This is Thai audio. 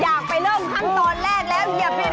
อยากไปเริ่มขั้นตอนแรกแล้วเหยียบดิน